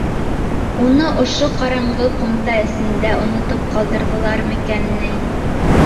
Уны ошо ҡараңғы ҡумта эсендә онотоп ҡалдырҙылармы икән ни?